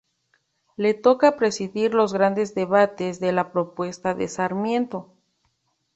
Le toca presidir los grandes debates de las propuestas de Sarmiento.